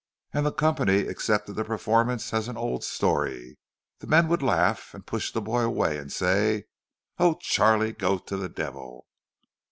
And the company accepted the performance as an old story—the men would laugh, and push the boy away, and say, "Oh, Charlie, go to the devil!"